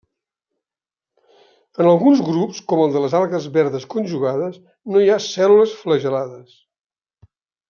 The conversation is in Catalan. En alguns grups com el de les algues verdes conjugades, no hi ha cèl·lules flagel·lades.